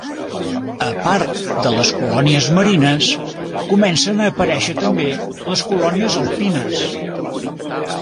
A part de les colònies marines comencen a aparèixer també les colònies alpines.